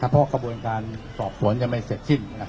เพราะกระบวนการสอบสวนยังไม่เสร็จสิ้น